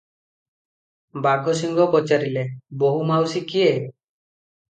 ବାଘସିଂହ ପଚାରିଲେ, "ବୋହୁ ମାଉସୀ କିଏ?